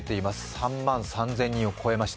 ３万３０００人を超えました。